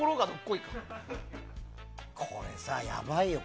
これさ、やばいよ。